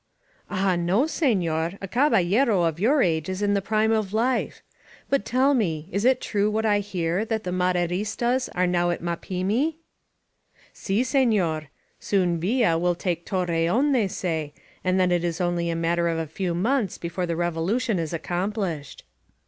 ^Ah, noy scnor. A embalUro of jour age is in the prime of life. But tdl me. Is it true what I hear, that the Maderistas are now at Ifaplmi?^ *^Si, scncyr. Soon Villa will take Torremiy they say, and then it is aotj a matter of a few months before the Rerohition is accompHshed."